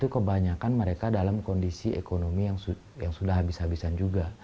kebanyakan mereka dalam kondisi ekonomi yang sudah habis habisan juga